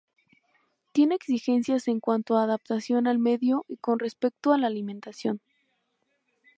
Tiene exigencias en cuanto a adaptación al medio y con respecto a la alimentación.